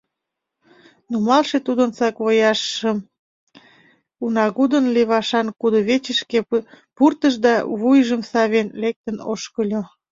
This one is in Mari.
Нумалше тудын саквояжшым унагудын левашан кудывечышке пуртыш да, вуйжым савен, лектын ошкыльо.